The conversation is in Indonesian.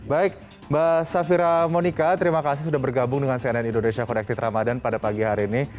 baik mbak safira monika terima kasih sudah bergabung dengan cnn indonesia connected ramadan pada pagi hari ini